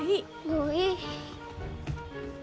もういい。